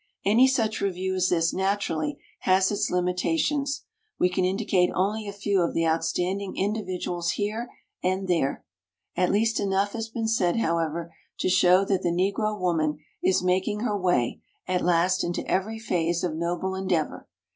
Any such review as this naturally has its limitations. We can indicate only a few of the outstanding individuals here and there. At least enough has been said, however, to show that the Negro woman is making her way at last into every phase of noble en deavor.